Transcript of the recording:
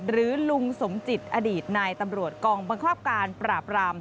หรือลุงสมจิตอดีตนายตำรวจกองบางครอบครานปราบราม